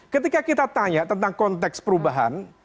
ketika kita tanya tentang konteks perubahan